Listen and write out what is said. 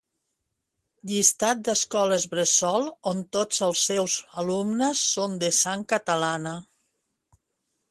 Llistat d'escoles bressol on tots els seus alumnes són de sang catalana